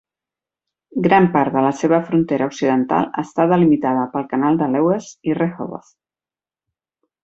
Gran part de la seva frontera occidental està delimitada pel canal de Lewes i Rehoboth.